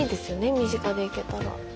身近で行けたら。